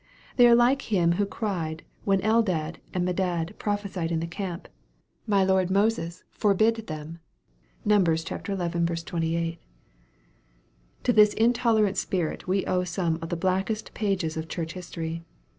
They are like him who cried when Eldad and Medad prophesied in the camp, "My Lord Moses forbid them." (Num. xi. 28.) To this intolerant spirit we owe some of the blackest pages of Church history.